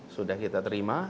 sudah kita terima